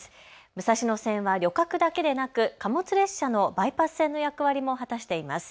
武蔵野線は旅客だけでなく貨物列車のバイパス線の役割も果たしています。